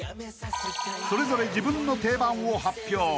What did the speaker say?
［それぞれ自分の定番を発表］